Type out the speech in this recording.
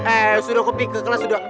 eh sudah kepik ke kelas sudah